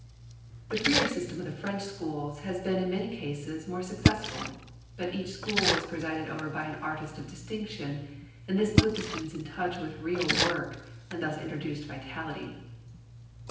The freer system of the French schools has been in many cases more successful. But each school was presided over by an artist of distinction, and this put the students in touch with real work and thus introduced vitality.